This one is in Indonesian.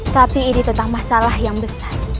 tapi ini tentang masalah yang besar